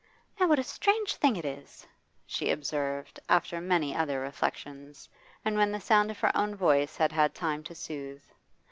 'Now, what a strange thing it is!' she observed, after many other reflections, and when the sound of her own voice had had time to soothe.